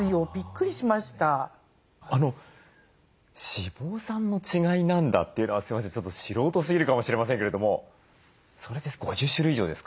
脂肪酸の違いなんだというのはすいませんちょっと素人すぎるかもしれませんけれどもそれで５０種類以上ですか？